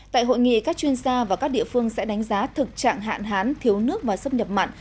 tại hội nghị các chuyên gia và các địa phương sẽ đánh giá thực trạng hạn hán thiếu nước và xâm nhập mặn